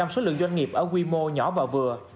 chín mươi năm số lượng doanh nghiệp ở quy mô nhỏ và vừa